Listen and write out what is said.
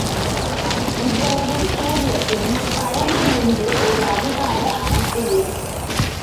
இவ்வளவும் கூறியபின் பழைமை என்று ஒரு அதிகார அமைப்பு ஏன்?